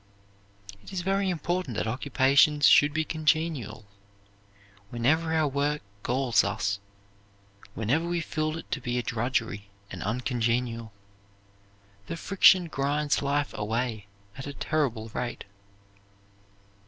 It is very important that occupations should be congenial. Whenever our work galls us, whenever we feel it to be a drudgery and uncongenial, the friction grinds life away at a terrible rate.